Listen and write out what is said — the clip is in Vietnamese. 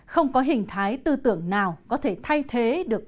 không có hình thái tư tưởng nào có thể thay thế được